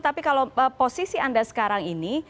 tapi kalau posisi anda sekarang ini